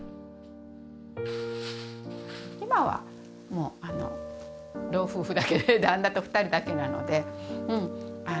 今はもう老夫婦だけ旦那と２人だけなのでうんあの